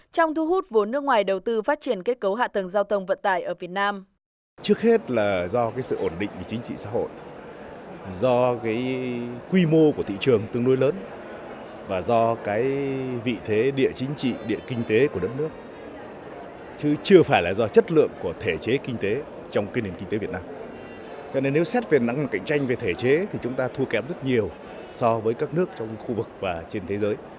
trong thu hút vốn nước ngoài đầu tư phát triển kết cấu hạ tầng giao thông vận tải ở việt nam